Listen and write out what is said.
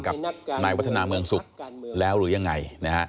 กับหนักวัฒนเมืองสุขแล้วหรือยังไง